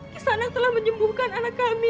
kesana telah menyembuhkan anak kami